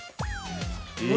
え！